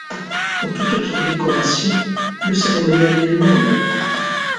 Pour toute autre décoration, le cérémonial est le même.